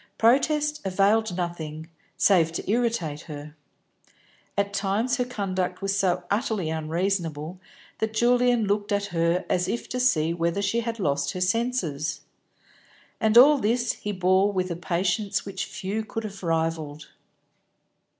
Protest availed nothing, save to irritate her. At times her conduct was so utterly unreasonable that Julian looked at her as if to see whether she had lost her senses. And all this he bore with a patience which few could have rivalled.